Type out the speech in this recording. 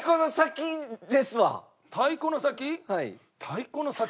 太鼓の先？